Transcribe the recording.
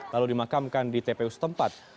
lalu dimakamkan di tpu setempat